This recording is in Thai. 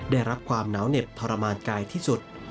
ได้รับความหนาวเหน็บทรมานกายที่สุด